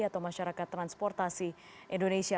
atau masyarakat transportasi indonesia